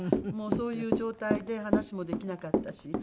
そういう状態で話もできなかったし。